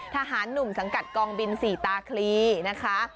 ทหารหนุ่มสังกัดกองบิน๔ตาคลีนะคะ